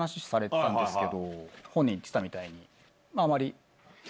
本人言ってたみたいに。